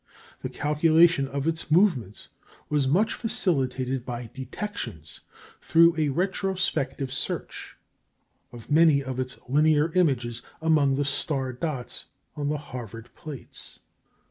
The calculation of its movements was much facilitated by detections, through a retrospective search, of many of its linear images among the star dots on the Harvard plates.